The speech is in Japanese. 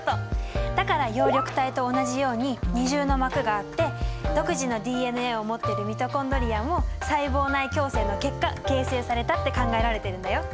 だから葉緑体と同じように二重の膜があって独自のＤＮＡを持ってるミトコンドリアも細胞内共生の結果形成されたって考えられてるんだよ。